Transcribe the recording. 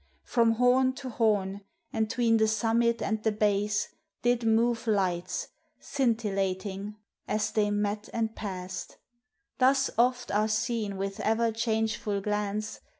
From horn to horn, And 'tween the summit and the base, did move Lights, scintillating, as the} 7 met and passed. Thus oft are seen with ever changeful glance.